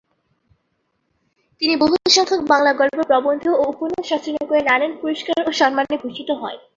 তিনি বহু সংখ্যক বাংলা গল্প, প্রবন্ধ ও উপন্যাস রচনা করে নানান পুরস্কার ও সম্মানে ভূষিত হন।